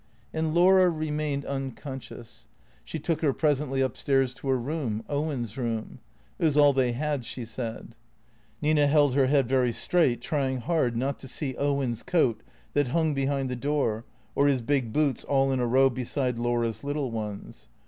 And Laura remained unconscious. She took her presently up stairs to her room, Owen's room. It was all they had, she said. Nina held her head very straight, trying hard not to see Owen's coat that hung behind the door, or his big boots all in a row beside Laura's little ones.